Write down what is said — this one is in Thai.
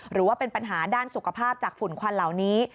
หรือว่าเป็นปัญหาด้านสุขภาพจากฝุ่นควันเหล่านี้